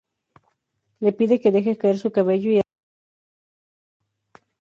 Le pide que deje caer su cabello y, así, sube hasta ella.